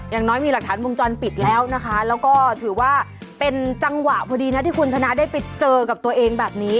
อย่างน้อยมีหลักฐานวงจรปิดแล้วนะคะแล้วก็ถือว่าเป็นจังหวะพอดีนะที่คุณชนะได้ไปเจอกับตัวเองแบบนี้